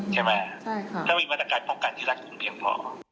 ใช่ไหมถ้ามีมาตรการพบการณ์ที่รักคุณเพียงพอ